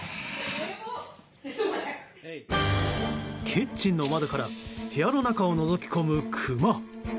キッチンの窓から部屋の中をのぞき込むクマ。